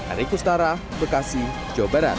ari kustara bekasi jawa barat